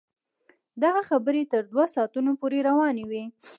دغه خبرې تر دوه ساعتونو پورې روانې وې.